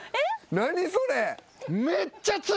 何それ。